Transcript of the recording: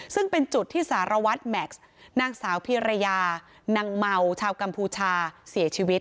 ซึ่งเป็นจุดที่สารวัตรแม็กซ์นางสาวพีรยานางเมาชาวกัมพูชาเสียชีวิต